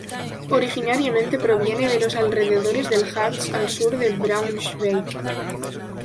Originariamente proviene de los alrededores del Harz al sur de Braunschweig.